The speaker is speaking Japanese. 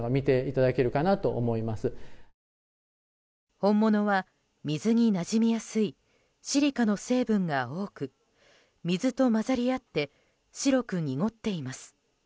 本物は水になじみやすいシリカの成分が多く水と混ざり合って白く濁っています。